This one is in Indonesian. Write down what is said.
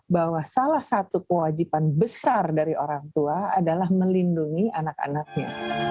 bahwa salah satu kewajiban besar dari orang tua adalah melindungi anak anaknya